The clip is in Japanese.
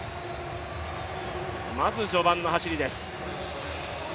まず序盤の走りです。